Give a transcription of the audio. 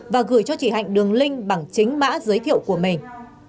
và gửi cho chị hạnh đường link bằng chính mã giới thiệu của mình